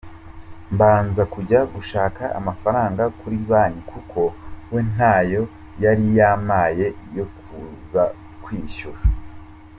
Mbanza kujya gushaka amafaranga kuri banki kuko we ntayo yari yampaye yo kuza kwishyura.